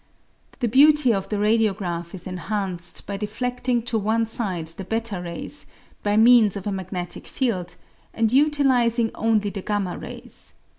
The beauty of the radio graph is enhanced by defleding to one side the y8 rays, by m.eans of a magnetic field, and utilising only the y rays.